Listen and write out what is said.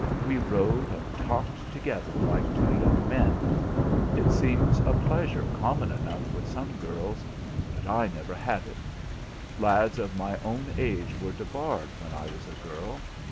We rode and talked together like two young men. It seems a pleasure common enough with some girls, but I never had it; lads of my own age were debarred when I was a girl.